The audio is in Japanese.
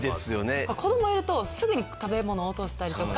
子供いるとすぐに食べ物落としたりとか。